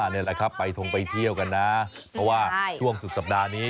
นี่แหละครับไปทงไปเที่ยวกันนะเพราะว่าช่วงสุดสัปดาห์นี้